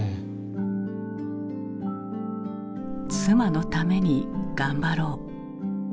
妻のために頑張ろう。